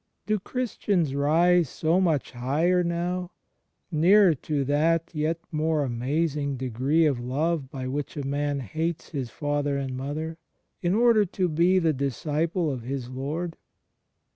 Do Christians rise so much higher now — nearer to that yet more amazing degree of love by which a man "hates his father and mother" in order to be the disciple of His Lord?